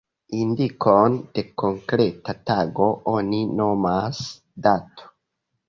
Indikon de konkreta tago oni nomas dato.